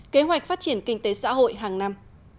kế hoạch phát triển kinh tế xã hội hàng năm